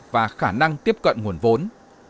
và khả năng tiếp cận nguồn vốn